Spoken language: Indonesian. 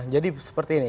jadi seperti ini